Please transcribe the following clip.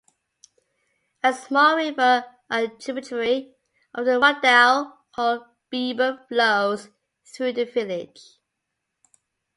A small river, a tributary of the Rodau called "Bieber" flows through the village.